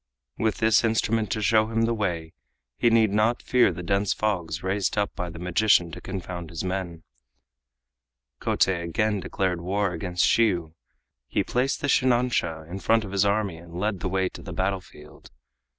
With this instrument to show him the way he need not fear the dense fogs raised up by the magician to confound his men. Kotei again declared war against Shiyu. He placed the shinansha in front of his army and led the way to the battlefield.